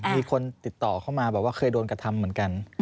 มีคนติดต่อเข้ามาบอกว่าเคยโดนกระทำเหมือนกัน